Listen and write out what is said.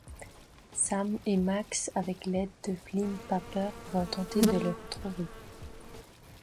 Sam et Max, avec l'aide de Flint Paper, vont tenter de le retrouver.